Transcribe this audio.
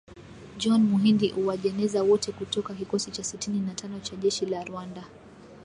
John Muhindi Uwajeneza wote kutoka kikosi cha sitini na tano cha jeshi la Rwanda